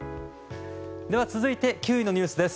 続いて９位のニュースです。